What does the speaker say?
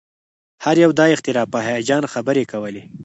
هر یو د اختراع په هیجان خبرې کولې